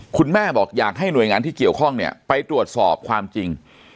คุณแม่บอกอยากให้หน่วยงานที่เกี่ยวข้องเนี่ยไปตรวจสอบความจริง